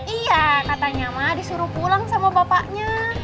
iya katanya mah disuruh pulang sama bapaknya